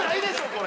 これ。